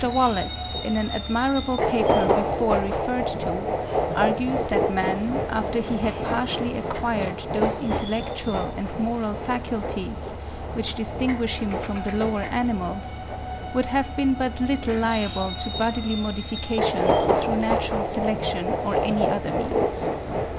Wallace, in an admirable paper before referred to (1. Anthropological Review, May 1864, p. clviii.), argues that man, after he had partially acquired those intellectual and moral faculties which distinguish him from the lower animals, would have been but little liable to bodily modifications through natural selection or any other means.